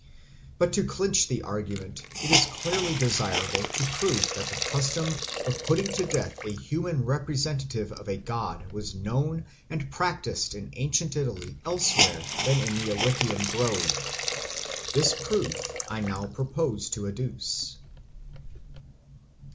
But to clinch the argument, it is clearly desirable to prove that the custom of putting to death a human representative of a god was known and practised in ancient Italy elsewhere than in the Arician Grove. This proof I now propose to adduce.